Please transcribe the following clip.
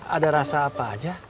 ada rasa apa aja